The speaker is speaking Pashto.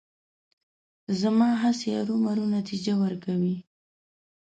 زما هڅې ارومرو نتیجه ورکوي.